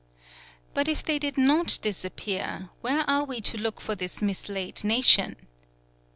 But if they did not disappear, where are we to look for this mislaid nation?